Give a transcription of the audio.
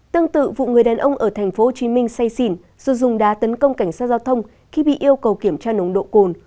tương tự vụ người đàn ông ở thành phố hồ chí minh say xỉn sử dụng đá tấn công cảnh sát giao thông khi bị yêu cầu kiểm tra nồng độ cồn